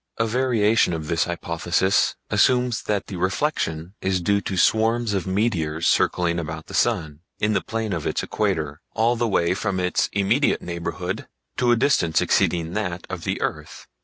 A variation of this hypothesis assumes that the reflection is due to swarms of meteors circling about the sun, in the plane of its equator, all the way from its immediate neighborhood to a distance exceeding that of the earth.